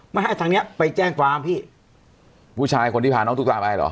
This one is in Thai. ไม่ให้ทางเนี้ยไปแจ้งความพี่ผู้ชายคนที่พาน้องตุ๊กตาไปเหรอ